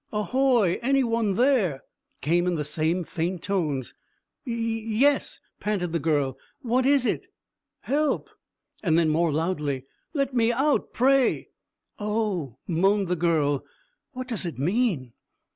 "Ahoy! Any one there?" came in the same faint tones. "Yes yes," panted the girl. "What is it?" "Help!" And then, more loudly, "Let me out, pray." "Oh," moaned the girl, "what does it mean?"